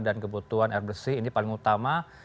dan kebutuhan air bersih ini paling utama